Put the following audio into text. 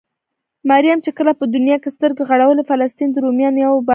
مريم چې کله په دونيا کې سترګې غړولې؛ فلسطين د روميانو يوه بانډه وه.